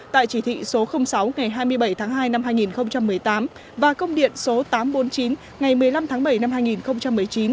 tại chỉ thị số sáu ngày hai mươi bảy tháng hai năm hai nghìn một mươi tám và công điện số tám trăm bốn mươi chín ngày một mươi năm tháng bảy năm hai nghìn một mươi chín